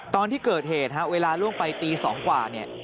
ตอนที่เกิดเหตุเวลาล่วงไปตี๒กว่า